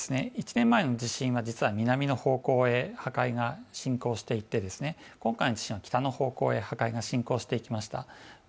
１年前の地震は南の方向へ破壊が進行していて今回の地震は北の方向へ破壊が進行していきました。